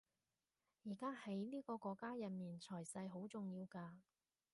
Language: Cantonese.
而家喺呢個國家入面財勢好重要㗎